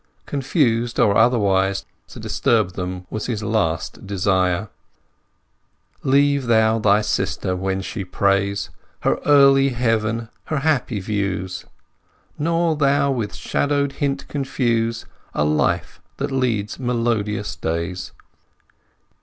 Confused or otherwise, to disturb them was his last desire: Leave thou thy sister, when she prays, Her early Heaven, her happy views; Nor thou with shadow'd hint confuse A life that leads melodious days.